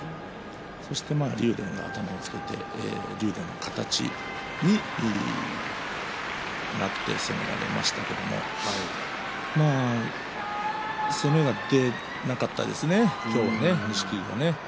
そして竜電が頭をつけて竜電の形になって攻められましたけれども攻めが出なかったですね、錦木は。